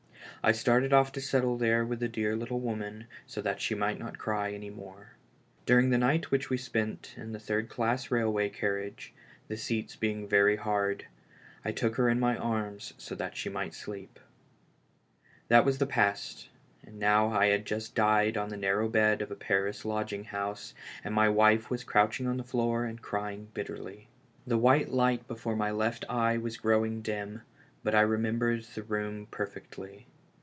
I started off to settle there with the dear little woman so that she might not cry any more. During the night which we spent in the third class railway carriage, the seats being very hard, I took her in my arms so that she might sleep. That was the past, and now I had just died on the narrow bed of a Paris lodging house, and my wife was crouching on the floor and crying bitterly. The white light before my left eye was growing dim, but I remem bered the room perfectly.